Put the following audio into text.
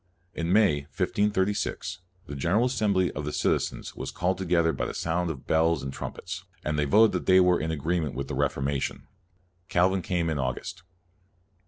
In May, 1536, the General Assembly of the citizens was called together by the sound of bells and trumpets, and they voted that they were CALVIN 109 in agreement with the Reformation. Cal vin came in August.